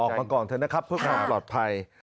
ยังไงก็ออกก่อนเถอะนะครับพวกคุณพ่อปลอดภัย